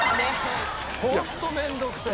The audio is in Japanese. ホント面倒くせえ。